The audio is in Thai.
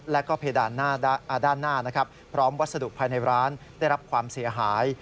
และเพดานหน้าพร้อมวัสดุภายในร้านได้รับความเสียหาย